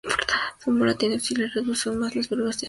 Un volantín auxiliar reduce aún más las vibraciones del motor.